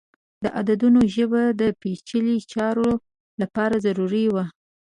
د عددونو ژبه د پیچلو چارو لپاره ضروری وه.